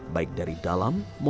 baik dari dalam maupun dari bawah